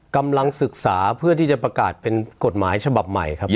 กำลังศึกษาเพื่อที่จะประกาศเป็นกฎหมายนะคะ